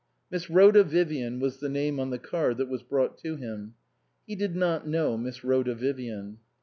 " Miss Rhoda Vivian " was the name on the card that was brought to him. He did not know Miss Rhoda Vivian.